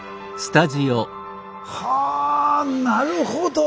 はなるほど。